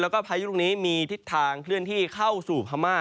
แล้วก็พายุลูกนี้มีทิศทางเคลื่อนที่เข้าสู่พม่า